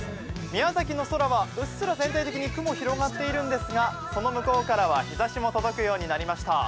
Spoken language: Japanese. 宮崎の空はうっすら全体的に雲が広がっているんですが、その向こうからは日ざしも届くようになりました。